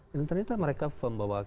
dan ternyata mereka paham bahwa kita ingin